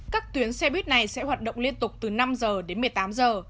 các tuyến xe buýt này sẽ hoạt động liên tục từ năm giờ đến một mươi tám giờ